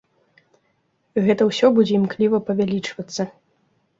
Гэта ўсё будзе імкліва павялічвацца.